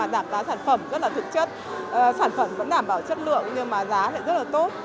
đảm bảo chất lượng nhưng mà giá lại rất là tốt